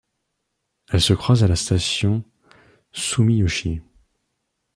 Elles se croisent à la station Sumiyoshi.